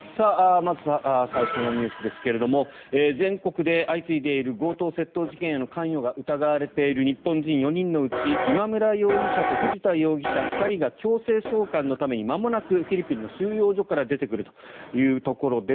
まず最初のニュースですが全国で相次いでいる強盗・窃盗事件への関与が疑われている日本人４人のうち今村容疑者と藤田容疑者２人が強制送還のためにまもなくフィリピンの収容所から出てくるというところです。